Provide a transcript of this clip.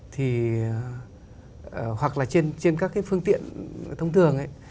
thì hoặc là trên các cái phương tiện thông thường ấy